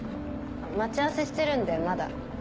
待ち合わせしてるんでまだ。